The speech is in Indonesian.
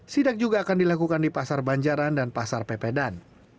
sidak juga akan dilakukan di pasar banjaran dan pasar pepedan